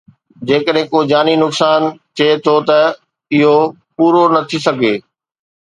جيڪڏهن ڪو جاني نقصان ٿئي ٿو ته اهو پورو نه ٿي سگهي